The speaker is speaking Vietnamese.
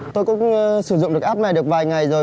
tôi cũng sử dụng được app này được vài ngày rồi